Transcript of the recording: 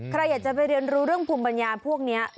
ใครอยากจะไปเรียนรู้เรื่องภูมิปัญญาพวกนี้